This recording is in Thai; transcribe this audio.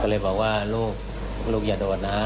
ก็เลยบอกว่าลูกอย่าโดดนะ